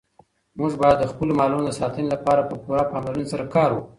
موږ باید د خپلو مالونو د ساتنې لپاره په پوره پاملرنې سره کار وکړو.